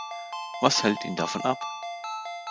Was hält ihn davon ab?